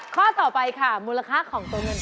ข้อต่อไปค่ะมูลค่าของตัวเงิน